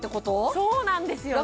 そうなんですよね